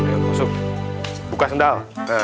ayo masuk buka sendal